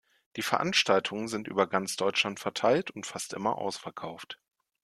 Die Veranstaltungen sind über ganz Deutschland verteilt und fast immer ausverkauft.